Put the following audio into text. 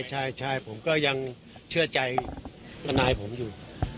ใช่ผมก็ยังเชื่อใจทนายผมอยู่